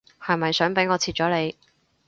係咪想俾我切咗你